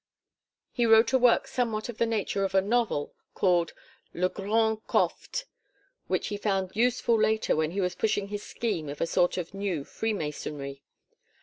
He wrote a work somewhat of the nature of a novel called Le Grand Cophte which he found useful later when he was pushing his scheme of a sort of new Freemasonry.